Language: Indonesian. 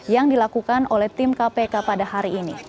yang dilakukan oleh tim kpk pada hari ini